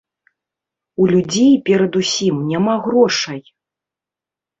У людзей, перадусім, няма грошай!